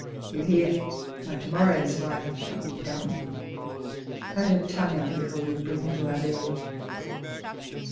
Do you hear, my tomorrow night's wife shall be dumb cut her tongue out before you bring her to our bed.